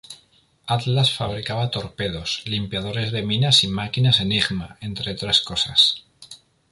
Atlas fabricaba torpedos, limpiadores de minas y máquinas Enigma, entre otras cosas.